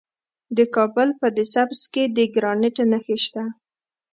د کابل په ده سبز کې د ګرانیټ نښې شته.